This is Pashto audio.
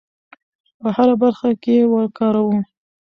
په هره برخه کې یې وکاروو.